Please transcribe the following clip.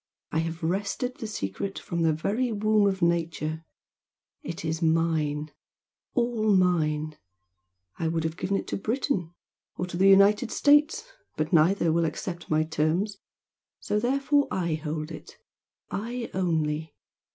I have wrested the secret from the very womb of Nature! it is mine all mine! I would have given it to Britain or to the United States but neither will accept my terms so therefore I hold it I, only!